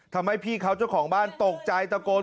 ทำให้พี่เขาเจ้าของบ้านตกใจตะโกน